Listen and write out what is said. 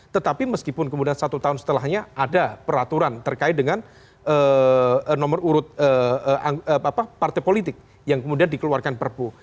tetapi meskipun kemudian satu tahun setelahnya ada peraturan terkait dengan nomor urut partai politik yang kemudian dikeluarkan perpu